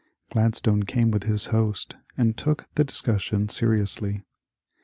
Gladstone came with his host and took the discussion seriously.